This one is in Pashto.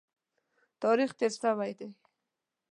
تاریخ تېر شوی دی.